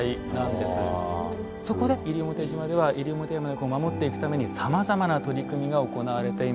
そこで西表島ではイリオモテヤマネコを守っていくためにさまざまな取り組みが行われています。